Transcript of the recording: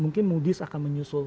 mungkin mudis akan menyusul